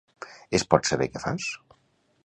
Es pot saber què fas?